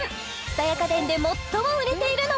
蔦屋家電で最も売れているのは？